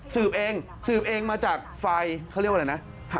สืบเองสืบเองมาจากไฟเขาเรียกว่าอะไรนะ